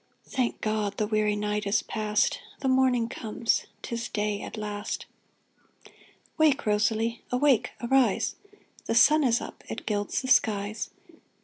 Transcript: Thank God ! the weary night is past. The morning comes — 'tis day at last. Wake, Rosalie ! Awake ! arise ! The sun is up, it gilds the skies.